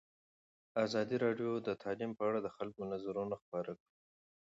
ازادي راډیو د تعلیم په اړه د خلکو نظرونه خپاره کړي.